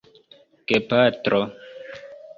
gepatro